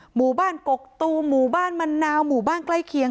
หมู่บ้านกกตูมหมู่บ้านมะนาวหมู่บ้านใกล้เคียง